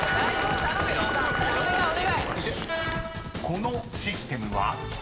［このシステムは？］